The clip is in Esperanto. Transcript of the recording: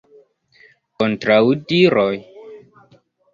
Kontraŭdiroj?